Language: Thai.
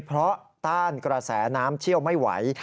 เพราะต้านกระแสน้ำเชี่ยวไม่ไหว